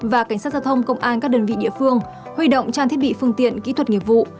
và cảnh sát giao thông công an các đơn vị địa phương huy động trang thiết bị phương tiện kỹ thuật nghiệp vụ